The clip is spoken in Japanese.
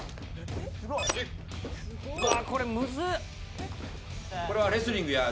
「うわっこれむずっ！」